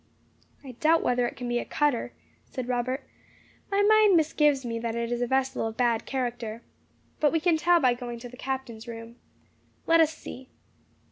"I doubt whether it can be a cutter," said Robert; "my mind misgives me that it is a vessel of bad character. But we can tell by going to the captain's room. Let us see."